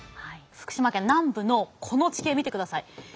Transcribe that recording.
福島県南部のこの地形見てください。